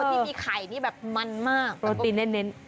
ตัวที่มีไข่มันมากโปรตีนเน้น